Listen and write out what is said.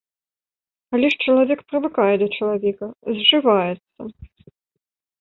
Але ж чалавек прывыкае да чалавека, зжываецца.